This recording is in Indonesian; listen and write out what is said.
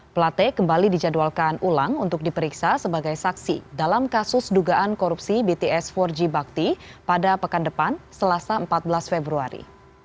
plate kembali dijadwalkan ulang untuk diperiksa sebagai saksi dalam kasus dugaan korupsi bts empat g bakti pada pekan depan selasa empat belas februari